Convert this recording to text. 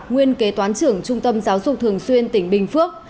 nguyên kế toán trưởng trung tâm giáo dục thường xuyên tỉnh bình phước